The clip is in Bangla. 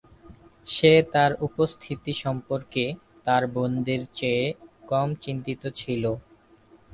সে তাঁর উপস্থিতি সম্পর্কে তাঁর বোনদের চেয়ে কম চিন্তিত ছিল।